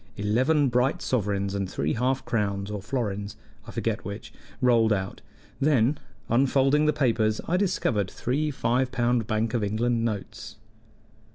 Eleven bright sovereigns and three half crowns or florins, I forget which, rolled out; then, unfolding the papers, I discovered three five pound Bank of England notes.